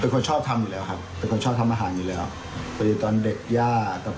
คือเป็นคนชอบทำอาหารอยู่แล้วครับ